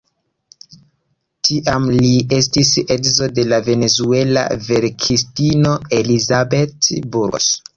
Tiam li estis edzo de la venezuela verkistino Elizabeth Burgos.